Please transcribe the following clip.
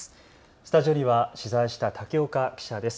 スタジオには取材した竹岡記者です。